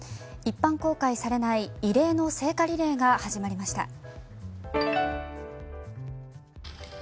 一般公開されない異例の聖火リレーが始まりました。